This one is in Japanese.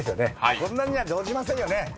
こんなんじゃ動じませんよね？